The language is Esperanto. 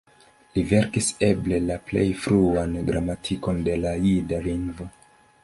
Li verkis eble la plej fruan gramatikon de la jida lingvo.